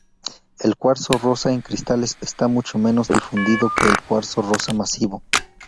El cuarzo rosa en cristales está mucho menos difundido que el cuarzo rosa masivo.